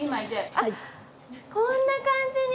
あっこんな感じに！